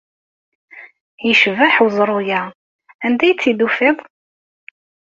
Yecbeḥ weẓru-a. Anda ay t-id-tufiḍ?